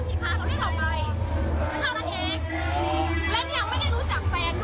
กี่ปีแล้วไม่เคยมาเที่ยวที่เนี้ยฟูปิงที่ช่างหมาย